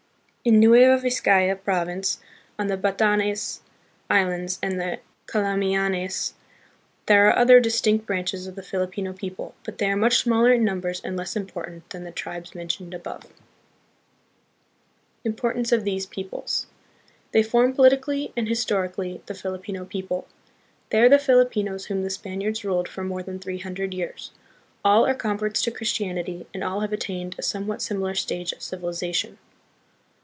In Nueva Vizcaya province, on the Batanes Islands and the Calamianes, there are other distinct branches of the Filipino people, but they are much smaller in numbers and less important than the tribes mentioned above. 36 THE PHILIPPINES. Importance of These Peoples. They form politically and historically the Filipino people. They are the Filipinos whom the Spaniards ruled for more than three hundred years. All are converts to Christianity, and all have attained a somewhat similar stage of civilization.